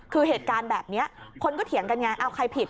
คือเหตุการณ์แบบนี้คนก็เถียงกันไงเอาใครผิด